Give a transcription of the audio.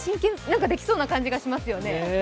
何かできそうな気がしますよね。